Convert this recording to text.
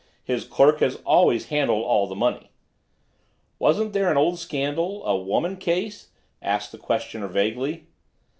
His clerk has always handled all the money." "Wasn't there an old scandal—a woman case?" asked the questioner vaguely.